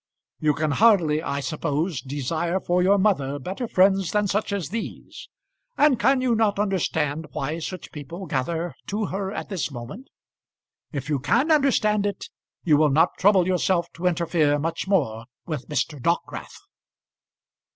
You can hardly, I suppose, desire for your mother better friends than such as these. And can you not understand why such people gather to her at this moment? If you can understand it you will not trouble yourself to interfere much more with Mr. Dockwrath."